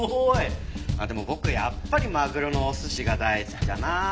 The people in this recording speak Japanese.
でも僕やっぱりマグロのお寿司が大好きだな。